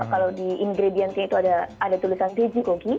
kalau di ingredientnya itu ada tulisan daging gogi